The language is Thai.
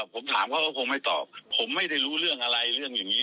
ผมถามเขาก็คงไม่ตอบผมไม่ได้รู้เรื่องอะไรเรื่องอย่างนี้